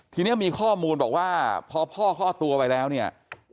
ทีนี้มีข้อมูลบอกว่าพอพ่อคล่อตัวไปแล้วเนี่ย